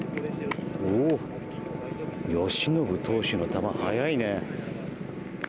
由伸投手の球、速いね。